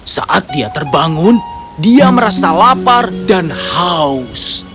saat dia terbangun dia merasa lapar dan haus